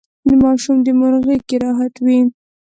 ماشوم د مور غیږکې راحت وي.